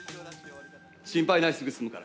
心配ない、すぐ済むから。